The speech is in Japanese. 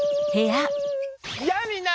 やあみんな！